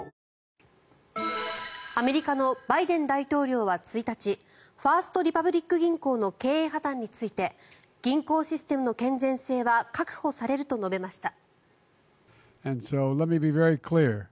アメリカのバイデン大統領は１日ファースト・リパブリック銀行の経営破たんについて銀行システムの健全性は確保されると述べました。